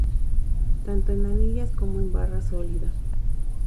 Tanto en anillas como en barra sólida.